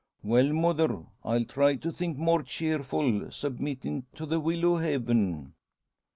"Well, mother, I'll try to think more cheerful; submittin' to the will o' Heaven."